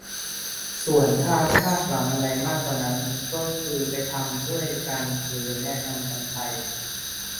ส่วนถ้าคาดหวังอะไรมากกว่านั้นก็คือไปทำด้วยกันหรือแนะนำกันไป